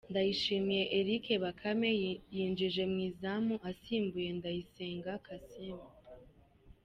Ndayishimiye Eric Bakame yinjiye mu izamu asimbuye Ndayisenga Kassim.